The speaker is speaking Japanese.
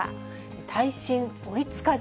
耐震追いつかず。